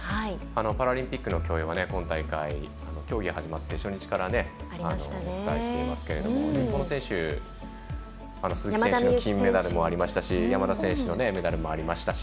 パラリンピックの競泳は今大会、競技が始まって初日からお伝えしていますけれども日本の選手鈴木選手の金メダルもありましたし山田選手のメダルもありましたし